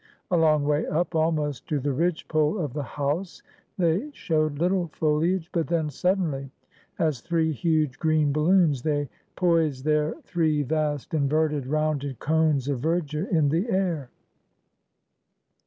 A long way up, almost to the ridge pole of the house, they showed little foliage; but then, suddenly, as three huge green balloons, they poised their three vast, inverted, rounded cones of verdure in the air.